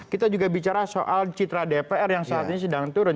kita juga bicara soal citra dpr yang saat ini sedang turun